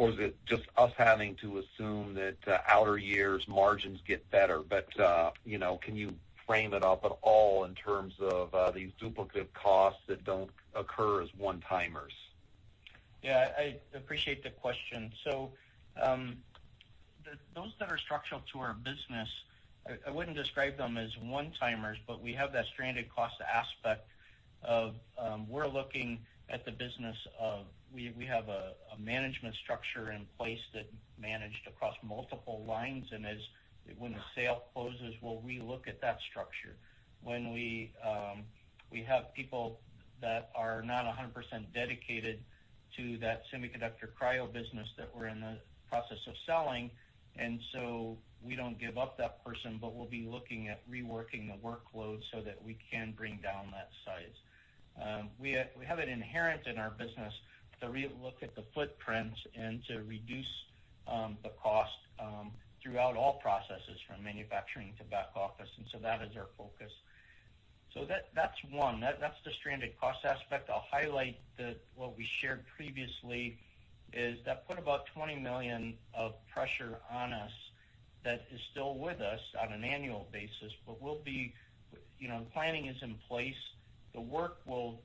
is it just us having to assume that outer years margins get better? Can you frame it up at all in terms of these duplicate costs that don't occur as one-timers? Yeah, I appreciate the question. Those that are structural to our business. I wouldn't describe them as one-timers, we have that stranded cost aspect of we're looking at the business of we have a management structure in place that managed across multiple lines, and when a sale closes, we'll relook at that structure. When we have people that are not 100% dedicated to that semiconductor cryo business that we're in the process of selling. We don't give up that person, we'll be looking at reworking the workload so that we can bring down that size. We have it inherent in our business to relook at the footprints and to reduce the cost throughout all processes, from manufacturing to back office, that is our focus. That's one, that's the stranded cost aspect. I'll highlight what we shared previously is that put about $20 million of pressure on us that is still with us on an annual basis. The planning is in place. The work will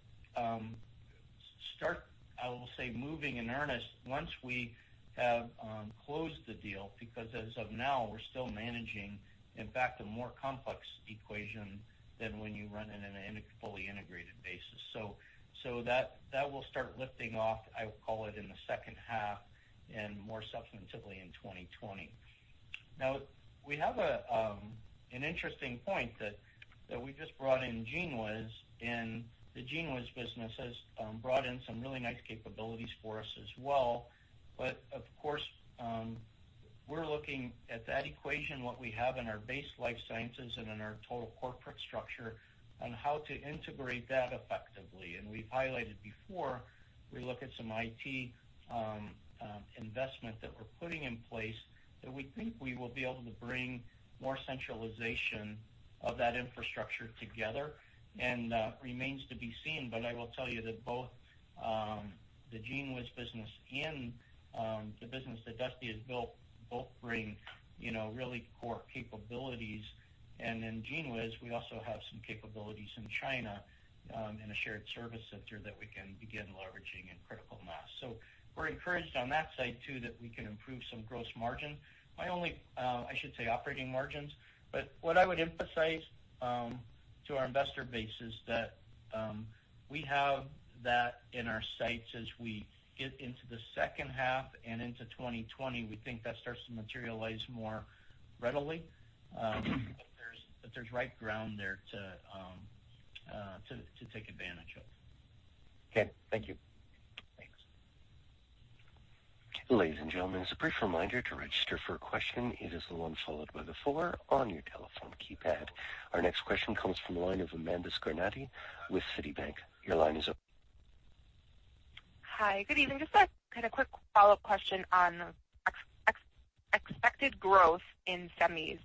start, I will say, moving in earnest once we have closed the deal, because as of now, we're still managing, in fact, a more complex equation than when you run in a fully integrated basis. That will start lifting off, I would call it in the second half and more substantively in 2020. We have an interesting point that we just brought in GENEWIZ, the GENEWIZ business has brought in some really nice capabilities for us as well. Of course, we're looking at that equation, what we have in our base life sciences and in our total corporate structure on how to integrate that effectively. We've highlighted before, we look at some IT investment that we're putting in place that we think we will be able to bring more centralization of that infrastructure together, and remains to be seen. I will tell you that both the GENEWIZ business and the business that Dusty has built both bring really core capabilities. In GENEWIZ, we also have some capabilities in China in a shared service center that we can begin leveraging in critical mass. We're encouraged on that side too, that we can improve some gross margin. I should say operating margins. What I would emphasize to our investor base is that we have that in our sights as we get into the second half and into 2020, we think that starts to materialize more readily. There's ripe ground there to take advantage of. Okay. Thank you. Thanks. Ladies and gentlemen, as a brief reminder to register for a question, it is the one followed by the four on your telephone keypad. Our next question comes from the line of Amanda Scarnati with Citi. Your line is open. Hi, good evening. Just a kind of quick follow-up question on expected growth in semis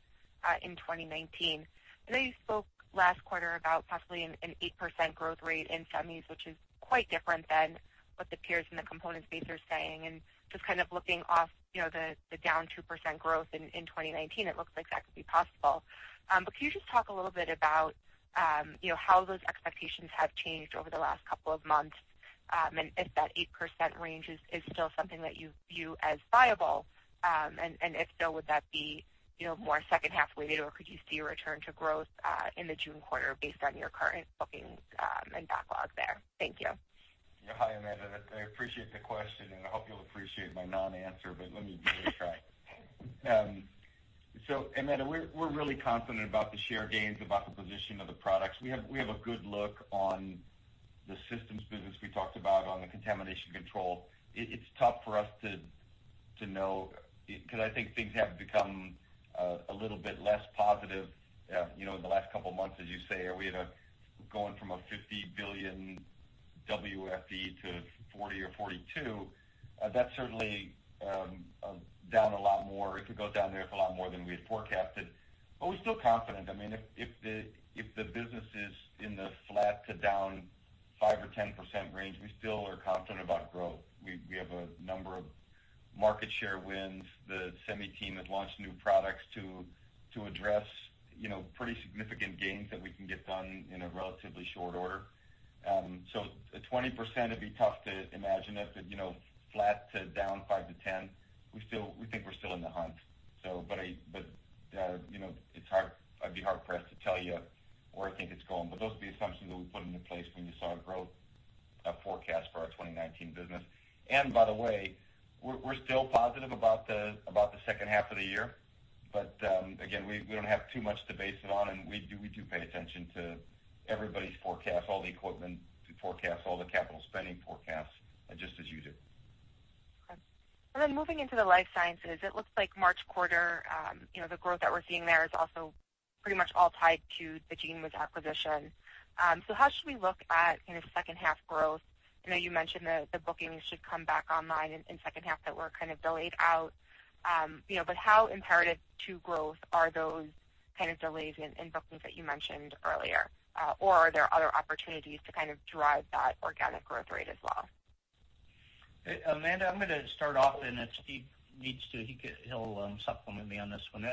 in 2019. I know you spoke last quarter about possibly an 8% growth rate in semis, which is quite different than what the peers in the component space are saying. Just kind of looking off the down 2% growth in 2019, it looks like that could be possible. Could you just talk a little bit about how those expectations have changed over the last couple of months, and if that 8% range is still something that you view as viable? If so, would that be more second half weighted, or could you see a return to growth in the June quarter based on your current bookings and backlog there? Thank you. Hi, Amanda. I appreciate the question, and I hope you'll appreciate my non-answer, but let me give it a try. Amanda, we're really confident about the share gains, about the position of the products. We have a good look on the systems business we talked about on the contamination control. It's tough for us to know because I think things have become a little bit less positive in the last couple of months, as you say. We had a going from a $50 billion WFE to $40 billion or $42 billion. That's certainly down a lot more. If it goes down there, it's a lot more than we had forecasted. We're still confident. If the business is in the flat to down 5% or 10% range, we still are confident about growth. We have a number of market share wins. The semi team has launched new products to address pretty significant gains that we can get done in a relatively short order. A 20%, it'd be tough to imagine it, flat to down 5%-10%, we think we're still in the hunt. I'd be hard-pressed to tell you where I think it's going, those are the assumptions that we put into place when you saw our growth forecast for our 2019 business. By the way, we're still positive about the second half of the year. Again, we don't have too much to base it on, and we do pay attention to everybody's forecasts, all the equipment forecasts, all the capital spending forecasts, just as you do. Okay. Moving into the life sciences, it looks like March quarter the growth that we're seeing there is also pretty much all tied to the GENEWIZ acquisition. How should we look at kind of second half growth? I know you mentioned the bookings should come back online in second half that were kind of delayed out. How imperative to growth are those kind of delays in bookings that you mentioned earlier? Are there other opportunities to kind of drive that organic growth rate as well? Amanda, I'm going to start off, and if Steve needs to, he'll supplement me on this one.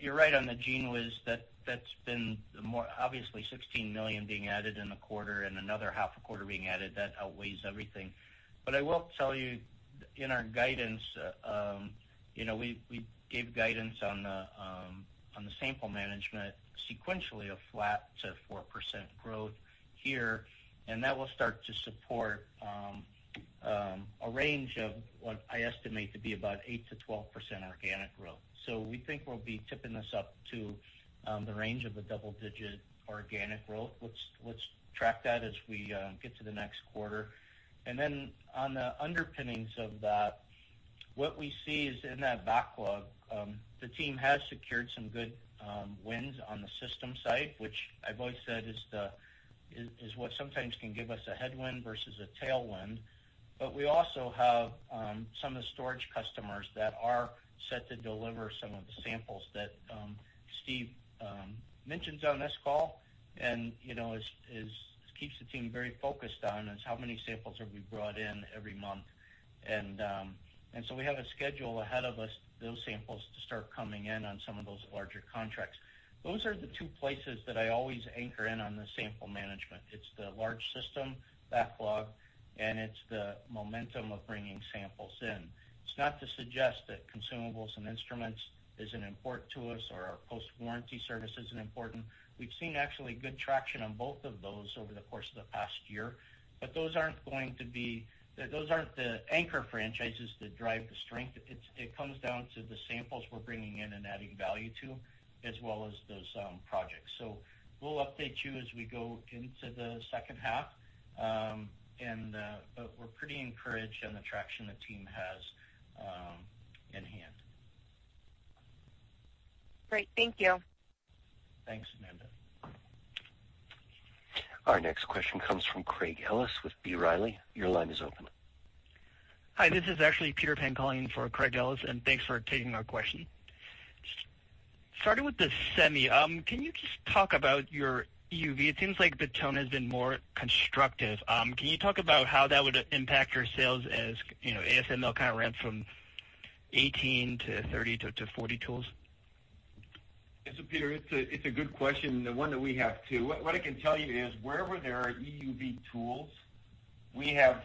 You're right on the GENEWIZ, that's been obviously $16 million being added in a quarter and another half a quarter being added. That outweighs everything. I will tell you in our guidance, we gave guidance on the sample management sequentially of flat to 4% growth here, and that will start to support a range of what I estimate to be about 8%-12% organic growth. We think we'll be tipping this up to the range of a double-digit organic growth. Let's track that as we get to the next quarter. On the underpinnings of that, what we see is in that backlog, the team has secured some good wins on the system side, which I've always said is what sometimes can give us a headwind versus a tailwind. We also have some of the storage customers that are set to deliver some of the samples that Steve mentions on this call. It keeps the team very focused on is how many samples have we brought in every month. We have a schedule ahead of us, those samples to start coming in on some of those larger contracts. Those are the two places that I always anchor in on the sample management. It's the large system backlog, and it's the momentum of bringing samples in. It's not to suggest that consumables and instruments isn't important to us or our post-warranty service isn't important. We've seen actually good traction on both of those over the course of the past year, but those aren't the anchor franchises that drive the strength. It comes down to the samples we're bringing in and adding value to, as well as those projects. We'll update you as we go into the second half. We're pretty encouraged on the traction the team has in hand. Great. Thank you. Thanks, Amanda. Our next question comes from Craig Ellis with B. Riley. Your line is open. Hi, this is actually Peter Peng calling in for Craig Ellis. Thanks for taking our question. Starting with the semi, can you just talk about your EUV? It seems like the tone has been more constructive. Can you talk about how that would impact your sales as ASML kind of ramps from 18 to 30 to 40 tools? Yes, Peter, it's a good question, one that we have, too. What I can tell you is wherever there are EUV tools, we have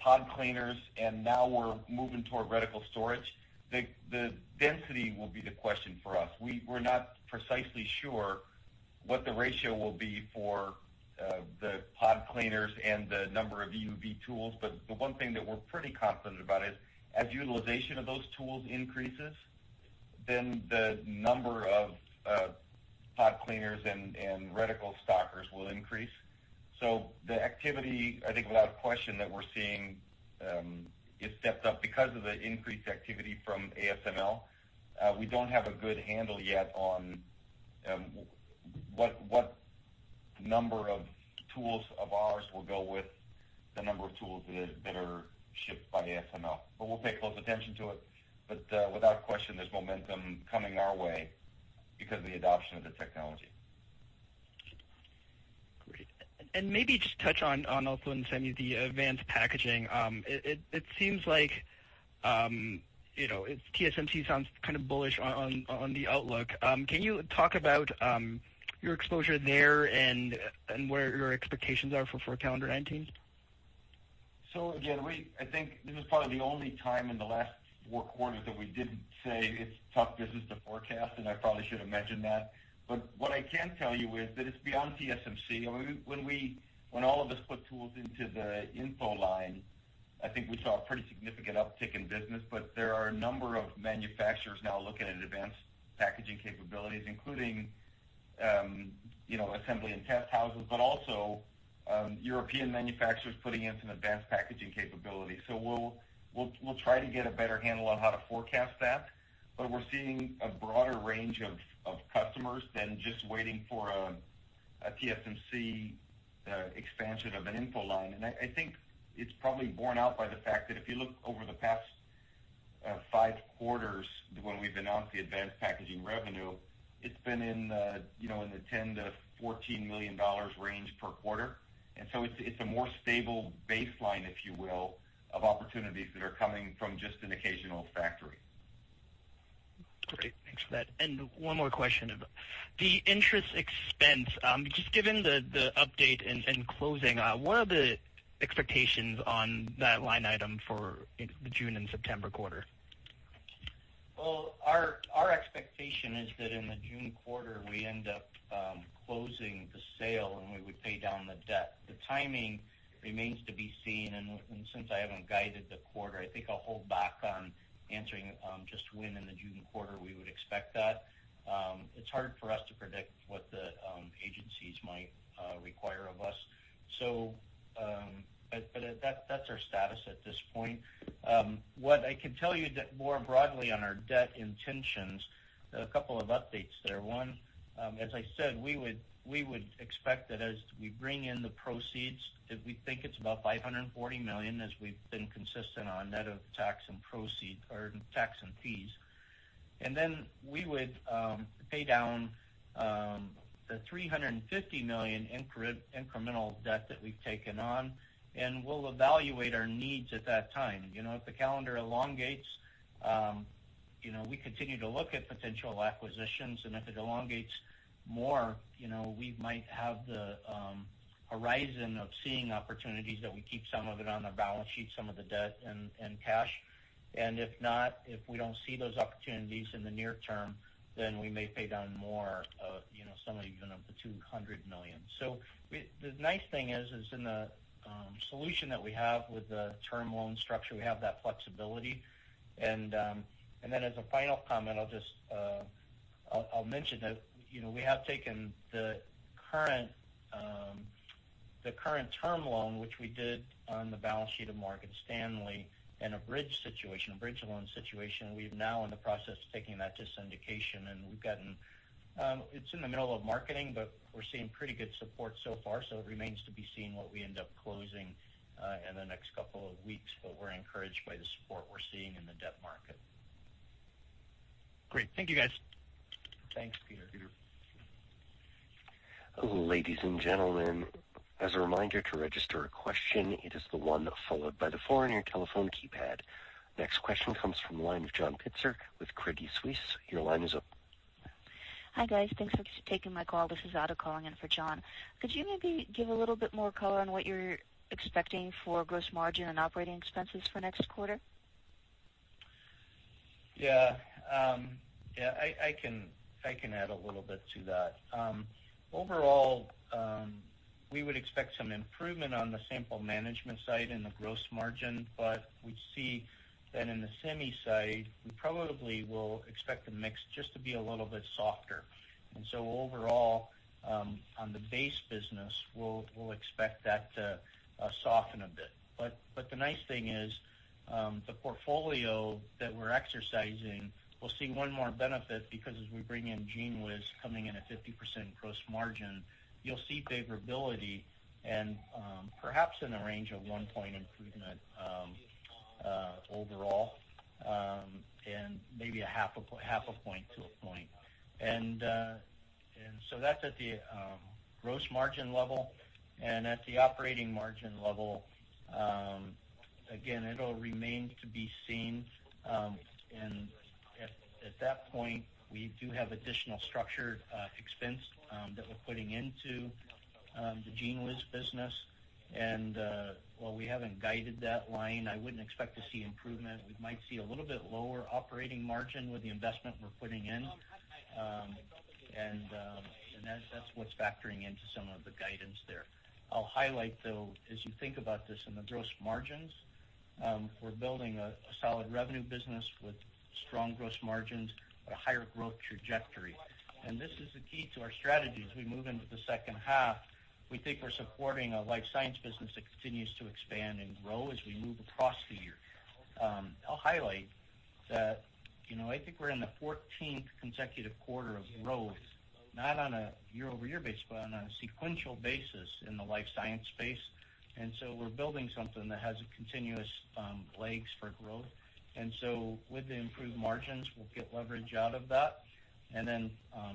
pod cleaners, and now we're moving toward vertical storage. The density will be the question for us. We're not precisely sure what the ratio will be for the pod cleaners and the number of EUV tools, the one thing that we're pretty confident about is as utilization of those tools increases, then the number of pod cleaners and reticle stockers will increase. The activity, I think without a question that we're seeing, is stepped up because of the increased activity from ASML. We don't have a good handle yet on what number of tools of ours will go with the number of tools that are shipped by ASML. We'll pay close attention to it. Without question, there's momentum coming our way because of the adoption of the technology. Great. Maybe just touch on also in semi, the advanced packaging. It seems like TSMC sounds kind of bullish on the outlook. Can you talk about your exposure there and where your expectations are for calendar 2019? Again, I think this is probably the only time in the last four quarters that we didn't say it's tough business to forecast. I probably should have mentioned that. What I can tell you is that it's beyond TSMC. When all of us put tools into the InFO line, I think we saw a pretty significant uptick in business. There are a number of manufacturers now looking at advanced packaging capabilities, including assembly and test houses, also European manufacturers putting in some advanced packaging capability. We'll try to get a better handle on how to forecast that. We're seeing a broader range of customers than just waiting for a TSMC expansion of an InFO line. I think it's probably borne out by the fact that if you look over the past five quarters when we've announced the advanced packaging revenue, it's been in the $10 million-$14 million range per quarter. It's a more stable baseline, if you will, of opportunities that are coming from just an occasional factory. Great, thanks for that. One more question. The interest expense, just given the update and closing, what are the expectations on that line item for the June and September quarter? Well, our expectation is that in the June quarter, we end up closing the sale, and we would pay down the debt. The timing remains to be seen, and since I haven't guided the quarter, I think I'll hold back on answering just when in the June quarter we would expect that. It's hard for us to predict what the agencies might require of us. That's our status at this point. What I can tell you more broadly on our debt intentions, a couple of updates there. One, as I said, we would expect that as we bring in the proceeds, we think it's about $540 million, as we've been consistent on net of tax and fees. Then we would pay down the $350 million incremental debt that we've taken on, and we'll evaluate our needs at that time. If the calendar elongates, we continue to look at potential acquisitions, and if it elongates more, we might have the horizon of seeing opportunities that we keep some of it on the balance sheet, some of the debt and cash. If not, if we don't see those opportunities in the near term, then we may pay down more, some of even of the $200 million. The nice thing is in the solution that we have with the term loan structure, we have that flexibility. Then as a final comment, I'll mention that we have taken the current term loan, which we did on the balance sheet of Morgan Stanley in a bridge loan situation. We're now in the process of taking that to syndication, and it's in the middle of marketing, but we're seeing pretty good support so far. It remains to be seen what we end up closing in the next couple of weeks. We're encouraged by the support we're seeing in the debt market. Great. Thank you, guys. Thanks, Peter. Peter. Ladies and gentlemen, as a reminder to register a question, it is the one followed by the four on your telephone keypad. Next question comes from the line of John Pitzer with Credit Suisse. Your line is open. Hi, guys. Thanks for taking my call. This is Ada calling in for John. Could you maybe give a little bit more color on what you're expecting for gross margin and operating expenses for next quarter? Yeah. I can add a little bit to that. Overall, we would expect some improvement on the sample management side and the gross margin, but we see that in the semi side, we probably will expect the mix just to be a little bit softer. Overall, on the base business, we'll expect that to soften a bit. The nice thing is, the portfolio that we're exercising will see one more benefit, because as we bring in GENEWIZ coming in at 50% gross margin, you'll see favorability and perhaps in a range of one point improvement overall, and maybe a half a point to a point. That's at the gross margin level and at the operating margin level, again, it'll remain to be seen. At that point, we do have additional structured expense that we're putting into the GENEWIZ business. While we haven't guided that line, I wouldn't expect to see improvement. We might see a little bit lower operating margin with the investment we're putting in. That's what's factoring into some of the guidance there. I'll highlight, though, as you think about this in the gross margins, we're building a solid revenue business with strong gross margins at a higher growth trajectory. This is the key to our strategy. As we move into the second half, we think we're supporting a life science business that continues to expand and grow as we move across the year. I'll highlight that I think we're in the 14th consecutive quarter of growth, not on a year-over-year basis, but on a sequential basis in the life science space. We're building something that has a continuous legs for growth. With the improved margins, we'll get leverage out of that.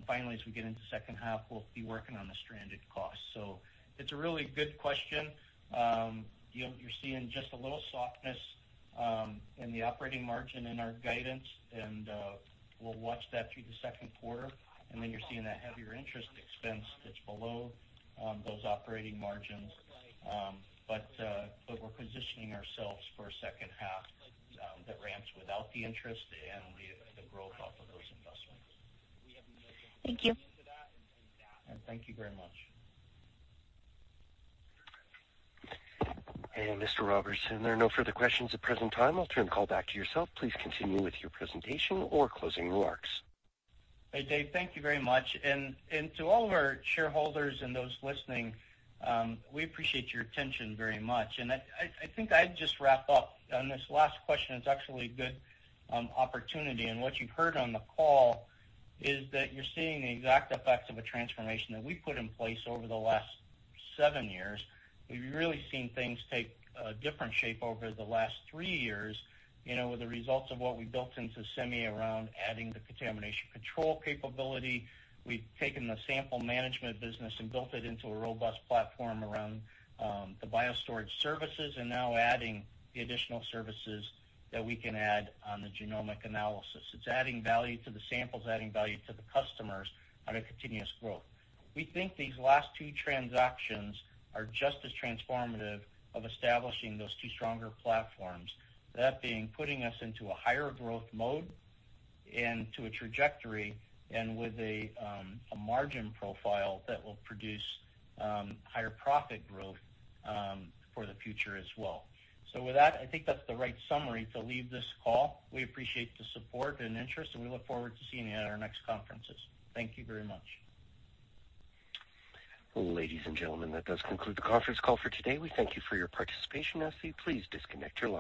Finally, as we get into second half, we'll be working on the stranded costs. It's a really good question. You're seeing just a little softness in the operating margin in our guidance, and we'll watch that through the second quarter. You're seeing that heavier interest expense that's below those operating margins. We're positioning ourselves for a second half that ramps without the interest and the growth off of those investments. Thank you. Thank you very much. Mr. Robertson, there are no further questions at present time. I'll turn the call back to yourself. Please continue with your presentation or closing remarks. Hey, Dave. Thank you very much. To all of our shareholders and those listening, we appreciate your attention very much. I think I'd just wrap up on this last question. It's actually a good opportunity. What you heard on the call is that you're seeing the exact effects of a transformation that we put in place over the last seven years. We've really seen things take a different shape over the last three years, with the results of what we built into semi around adding the contamination control capability. We've taken the sample management business and built it into a robust platform around the BioStorage services and now adding the additional services that we can add on the genomic analysis. It's adding value to the samples, adding value to the customers on a continuous growth. We think these last two transactions are just as transformative of establishing those two stronger platforms. That being putting us into a higher growth mode and to a trajectory and with a margin profile that will produce higher profit growth for the future as well. With that, I think that's the right summary to leave this call. We appreciate the support and interest, and we look forward to seeing you at our next conferences. Thank you very much. Ladies and gentlemen, that does conclude the conference call for today. We thank you for your participation. Now, if you please disconnect your lines.